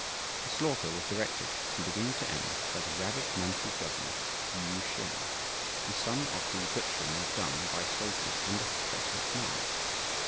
The slaughter was directed, from beginning to end, by the rabid Manchu governor, Yü Hsien, and some of the butchering was done by soldiers under his personal command.